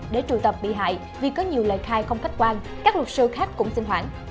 để trù tập bị hại vì có nhiều lời khai không khách quan các luật sư khác cũng xin hoãn